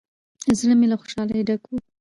زړه مې له خوشالۍ ډک و.